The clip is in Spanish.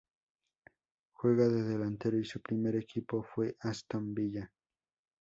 Juega de delantero y su primer equipo fue Aston Villa.